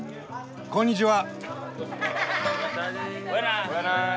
こんにちは。